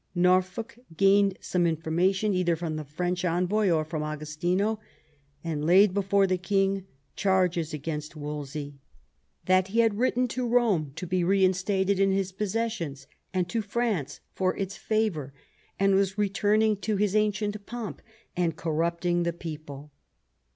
Norfolk gained some informa tion, either from the French envoy or from Agostino, and laid before the king charges against Wolsey, ^'that he had written to Eome to be reinstated in his possessions, and to France for its favour ; and was returning to his ancient pomp, and corrupting the people."